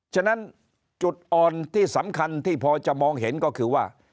ฉะนั้นจุดอ่อนที่สำคัญที่พอจะมองเห็นก็คือว่า